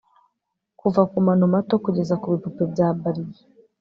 kuva kumano mato kugeza kubipupe bya barbie